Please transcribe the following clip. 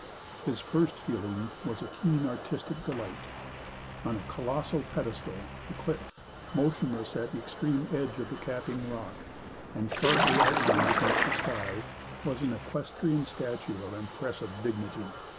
His first feeling was a keen artistic delight. On a colossal pedestal, the cliff, motionless at the extreme edge of the capping rock and sharply outlined against the sky, was an equestrian statue of impressive dignity.